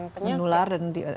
ya mudah menular dan ditularkan